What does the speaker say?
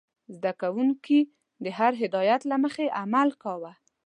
زده کوونکي د هرې هدايت له مخې عمل کاوه.